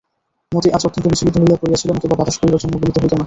মতি আজ অত্যন্ত বিচলিত হইয়া পড়িয়াছিল, নতুবা বাতাস করিবার জন্য বলিতে হইত না।